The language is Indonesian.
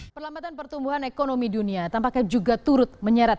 perlambatan pertumbuhan ekonomi dunia tampaknya juga turut menyeret